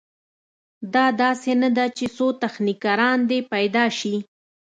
دا داسې نه ده چې څو تخنیکران دې پیدا شي.